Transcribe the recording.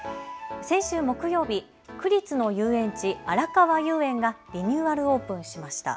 先週木曜日、区立の遊園地、あらかわ遊園がリニューアルオープンしました。